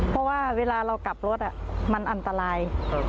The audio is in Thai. เพราะว่าเวลาเรากลับรถมันอันตราย